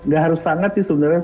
gak harus hangat sih sebenarnya